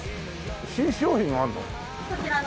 新商品があるの？